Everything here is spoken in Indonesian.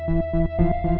saya yang menang